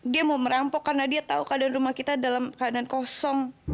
dia mau merampok karena dia tahu keadaan rumah kita dalam keadaan kosong